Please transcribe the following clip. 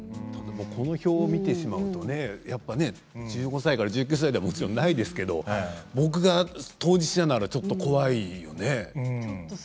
この表を見てしまうと１５歳から１９歳ではもちろんないですけど僕が当事者ならちょっと怖いよね。